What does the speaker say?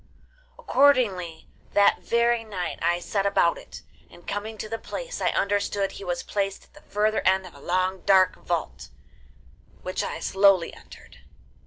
Accordingly that very night I set about it, and coming to the place, I understood he was placed at the further end of a long dark vault, which I slowly entered.